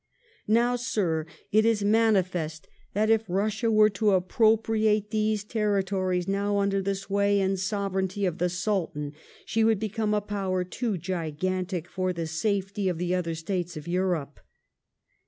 Now, Sir, it is manifest that if Russia were to appropriate these terri tories now under the sway and soyereignty of the Sultan, she would become a power too gigantic for the safety of the other states of Europe.